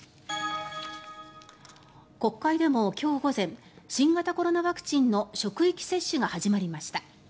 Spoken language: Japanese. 国会でも今日午前新型コロナワクチンの職域接種が始まりました。